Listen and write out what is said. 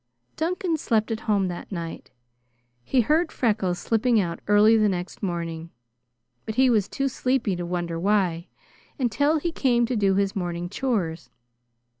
Duncan slept at home that night. He heard Freckles slipping out early the next morning, but he was too sleepy to wonder why, until he came to do his morning chores.